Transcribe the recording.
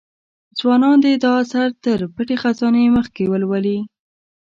ځوانان دي دا اثر تر پټې خزانې مخکې ولولي.